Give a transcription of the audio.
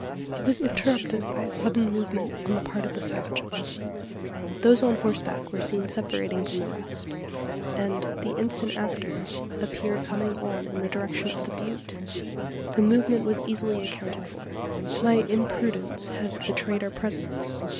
It was interrupted by a sudden movement on the part of the savages. Those on horseback were seen separating from the rest; and, the instant after, appeared coming on in the direction of the butte! The movement was easily accounted for. My imprudence had betrayed our presence.